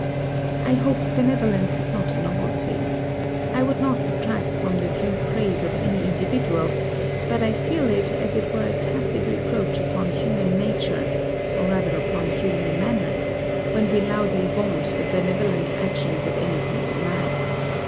I hope benevolence is not a novelty. I would not subtract from the due praise of any individual; but I feel it as it were a tacit reproach upon human nature, or rather upon human manners, when we loudly vaunt the benevolent actions of any single man.